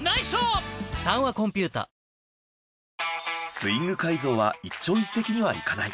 スイング改造は一朝一夕にはいかない。